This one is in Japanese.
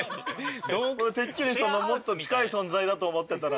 てっきりもっと近い存在だと思ってたら。